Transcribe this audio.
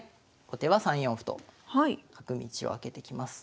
後手は３四歩と角道を開けてきます。